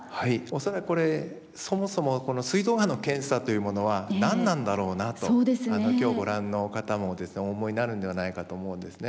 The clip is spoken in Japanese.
恐らくこれそもそもすい臓がんの検査というものは何なんだろうなと今日ご覧の方もお思いになるんではないかと思うんですね。